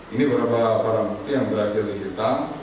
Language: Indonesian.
ini beberapa para putri yang berhasil disertai